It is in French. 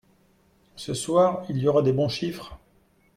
Ce soir, il y aura des bons chiffres